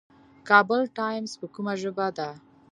کابل ټایمز په کومه ژبه ده؟